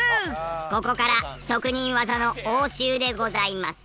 ここから職人技の応酬でございます。